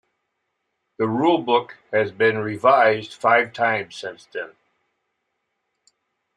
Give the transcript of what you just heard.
The rulebook has been revised five times since then.